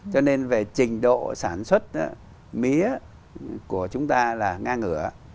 cho nên về trình độ sản xuất mía của chúng ta là ngang ngựa